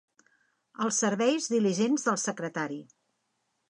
Els serveis diligents del secretari.